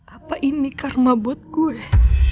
apa ini karma buat gue